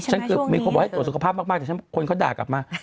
เกือบมีคนบอกให้ตรวจสุขภาพมากแต่ฉันคนเขาด่ากลับมา